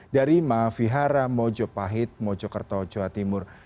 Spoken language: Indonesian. dari maha vihara mojo pahit mojo kertojo timur